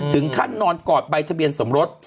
ถึงท่านนอนกอดใบทะเบียนสมรส